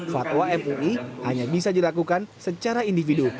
fatwa mui hanya bisa dilakukan secara individu